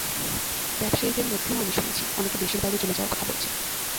ব্যবসায়ীদের মধ্যেও আমি শুনেছি, অনেকে দেশের বাইরে চলে যাওয়ার কথা বলছেন।